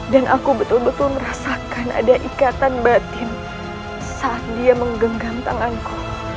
dan aku betul betul merasakan ada ikatan batin saat dia menggenggam tanganku